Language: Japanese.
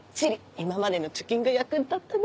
今までの貯金が役に立ったね。